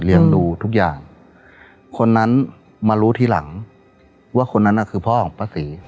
ดูทุกอย่างคนนั้นมารู้ทีหลังว่าคนนั้นน่ะคือพ่อของป้าศรี